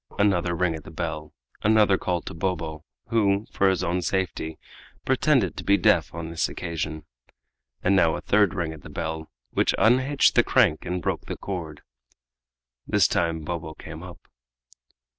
Another ring at the bell; another call to Bobo, who, for his own safety, pretended to be deaf on this occasion. And now a third ring at the bell, which unhitched the crank and broke the cord. This time Bobo came up.